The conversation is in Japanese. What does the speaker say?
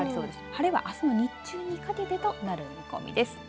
晴れはあすの日中にかけてとなる見込みです。